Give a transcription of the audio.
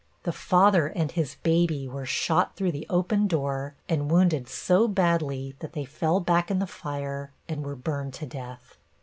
The father and his baby were shot through the open door and wounded so badly that they fell back in the fire and were burned to death.